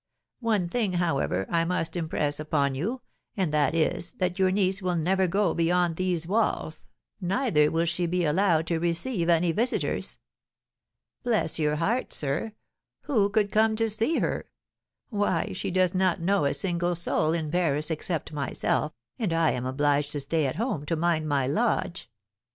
One thing, however, I must impress upon you, and that is, that your niece will never go beyond these walls, neither will she be allowed to receive any visitors.' 'Bless your heart, sir! Who could come to see her? Why, she does not know a single soul in Paris, except myself, and I am obliged to stay at home to mind my lodge.